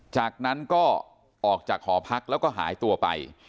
จากนั้นก็ออกจากหอพักแล้วก็หายตัวไป